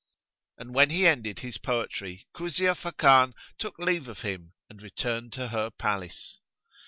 And when he ended his poetry, Kuzia Fakan took leave of him and returned to her palace.